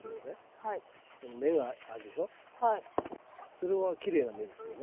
それはきれいな芽ですよね。